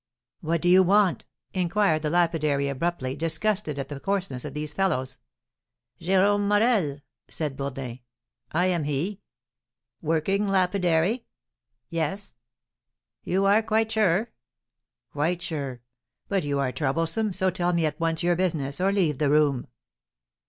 "What do you want?" inquired the lapidary, abruptly, disgusted at the coarseness of these fellows. "Jérome Morel?" said Bourdin. "I am he!" "Working lapidary?" "Yes." "You are quite sure?" "Quite sure. But you are troublesome, so tell me at once your business, or leave the room."